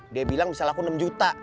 dia bilang bisa laku enam juta